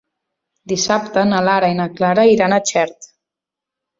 Dissabte na Lara i na Clara iran a Xert.